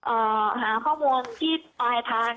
หาข้อมูลที่ปลายทาง